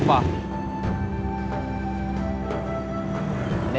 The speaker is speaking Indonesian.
bang keh transfer